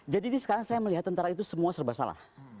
jadi ini sekarang saya melihat tentara itu semua serba salah